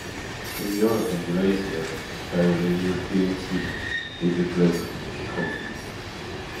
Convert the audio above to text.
In Europe and Eurasia, there is the European Student Evangelism Conference.